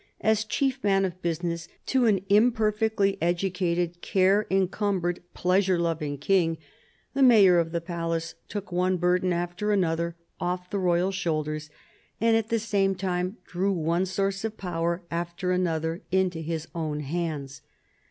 As chief man of business to an imperfectly educated, care encumbered, pleasure loving king, the mayor of the palace took one burden after another off the royal shoulders, and at the same time drew one source of power after another into his own bands.